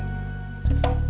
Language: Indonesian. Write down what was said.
dia bilang haji sulam ini